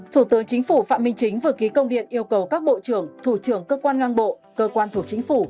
thủ tướng chính phủ phạm minh chính vừa ký công điện yêu cầu các bộ trưởng thủ trưởng cơ quan ngang bộ cơ quan thuộc chính phủ